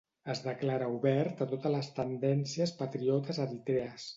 Es declara obert a totes les tendències patriotes eritrees.